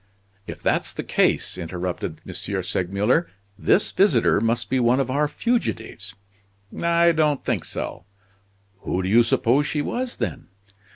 "If that's the case," interrupted M. Segmuller, "this visitor must be one of our fugitives." "I don't think so." "Who do you suppose she was, then?"